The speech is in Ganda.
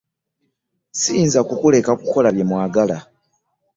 Ssiyinza kukuleka kukola bye mwagala.